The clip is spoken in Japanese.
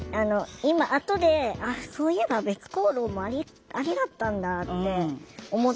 今後であっそういえば別行動もアリだったんだって思ったぐらい。